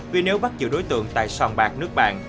vì nếu bắt giữ đối tượng tại sòn bạc nước bạn